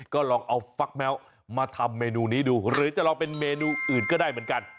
ก็ลองเอาฟักแมวมาทำเมนูนี้ดูหรือจะลองเป็นเมนูอื่นก็ได้เหมือนกัน